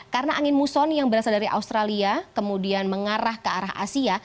karena angin muson yang berasal dari australia kemudian mengarah ke arah asia